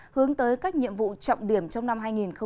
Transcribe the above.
hướng tới các nhiệm vụ trọng điểm trong năm hai nghìn hai mươi